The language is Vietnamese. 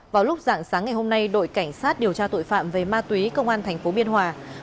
vào lúc dạng sáng ngày hôm nay đội cảnh sát điều tra tội phạm về ma túy công an tp biên hòa